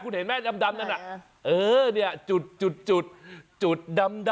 คุณเห็นไหมดำนั่นน่ะเออเนี่ยจุดจุดดำ